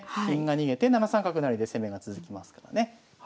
金が逃げて７三角成で攻めが続きますからね。